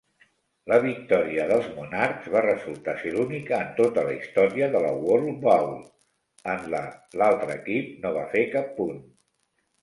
La victòria dels Monarchs va resultar ser l"única en tota la història de la World Bowl en la l"altre equip no va fer cap punt.